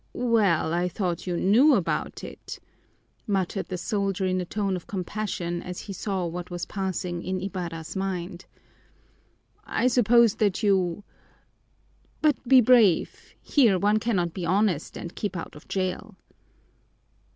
"Well, I thought you knew about it," muttered the soldier in a tone of compassion as he saw what was passing in Ibarra's mind. "I supposed that you but be brave! Here one cannot be honest and keep out of jail."